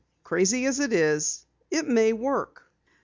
Crazy as it is, it may work!"